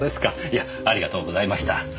いやありがとうございました。